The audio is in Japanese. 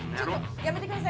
やめてください